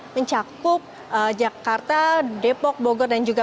mencakup jakarta depok bogor dan juga